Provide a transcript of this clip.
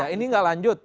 ini tidak lanjut